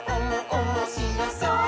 おもしろそう！」